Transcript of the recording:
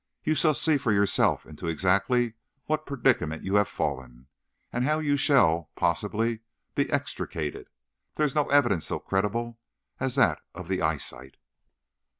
You shall see for yourself into exactly what predicament you have fallen, and how you shall, possibly, be extricated. There is no evidence so credible as that of the eyesight."